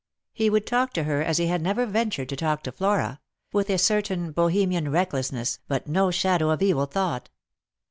He would talk to her as he had never ventured to talk to Flora — with a certain Bohemian reck lessness, but no shadow of evil thought.